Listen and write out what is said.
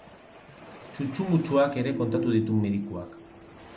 Txutxu-mutxuak ere kontatu ditu medikuak.